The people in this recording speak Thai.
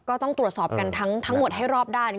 ก็ต้องตรวจสอบกันทั้งหมดให้รอบด้าน